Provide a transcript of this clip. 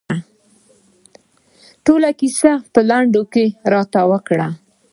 ټوله کیسه په لنډو کې راته وکړه.